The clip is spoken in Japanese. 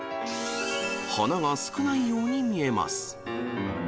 花が少ないように見えます。